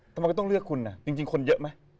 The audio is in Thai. ทำไมก็ต้องเลือกคุณจริงคนเยอะไหม